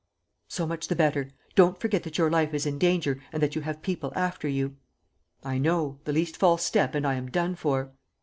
"So much the better. Don't forget that your life is in danger and that you have people after you." "I know. The least false step and I am done for."